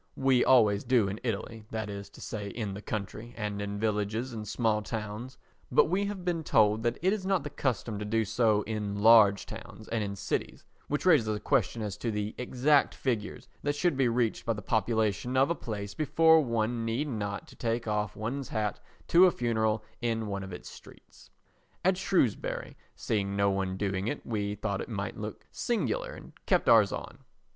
We always do in Italy, that is to say in the country and in villages and small towns, but we have been told that it is not the custom to do so in large towns and in cities, which raises a question as to the exact figure that should be reached by the population of a place before one need not take off one's hat to a funeral in one of its streets. At Shrewsbury seeing no one doing it we thought it might look singular and kept ours on.